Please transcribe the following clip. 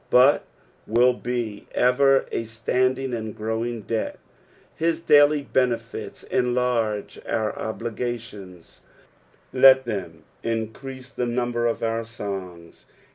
but will be ever a standing and growing debt. His daily benefits enlarge our obligations, let them increase the number of our songs.